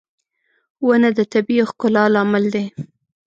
• ونه د طبيعي ښکلا لامل دی.